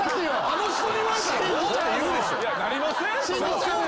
なりません